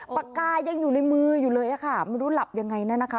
ประกายยังอยู่ในมือเลยนะคะไม่รู้หลับยังไงนะคะ